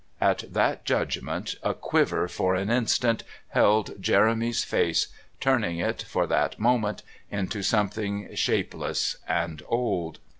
At that judgement a quiver for an instant held Jeremy's face, turning it, for that moment, into something shapeless and old.